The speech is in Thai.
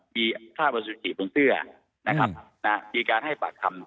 มีภาพวัสดิ์สุขีพรุ่งเตื้อนะครับนะฮะมีการให้ปากคำ